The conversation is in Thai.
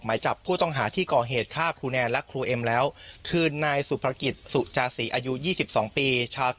หมายจับผู้ต้องหาที่ก่อเหตุฆ่าครูแนนและครูเอ็มแล้วคือนายสุภกิจสุจาศีอายุ๒๒ปีชาว